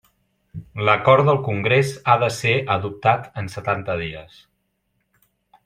L'acord del Congrés ha de ser adoptat en setanta dies.